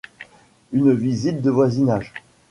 Une visite de voisinage —